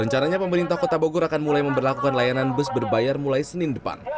rencananya pemerintah kota bogor akan mulai memperlakukan layanan bus berbayar mulai senin depan